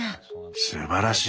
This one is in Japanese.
すばらしい。